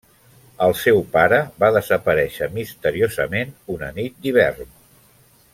El seu pare va desaparèixer misteriosament una nit d'hivern.